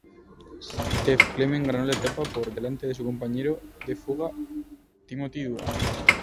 Stef Clement ganó la etapa por delante de su compañero de fuga Timothy Duggan.